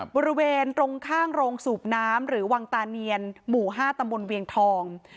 บริเวณตรงข้างโรงสูบน้ำหรือวังตาเนียนหมู่๕ตำบลเวียงทอง